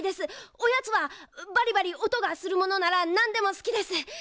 おやつはバリバリおとがするものならなんでもすきです。